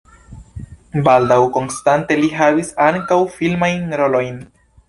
Baldaŭ konstante li havis ankaŭ filmajn rolojn.